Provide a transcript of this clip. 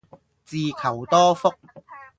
自求多福